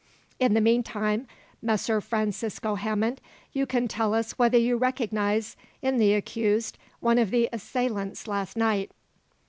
"In the meantime, Messer Francisco Hammond, you can tell us whether you recognize in the accused one of the assailants last night."